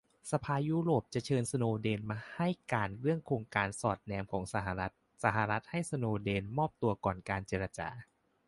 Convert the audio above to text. สภายุโรปจะเชิญสโนว์เดนมาให้การเรื่องโครงการสอดแนมของสหรัฐ - สหรัฐให้สโนว์เดนมอบตัวก่อนเจรจา